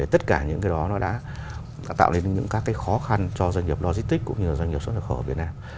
tất cả những cái đó nó đã tạo nên những các cái khó khăn cho doanh nghiệp logistics cũng như doanh nghiệp xuất nhập khẩu ở việt nam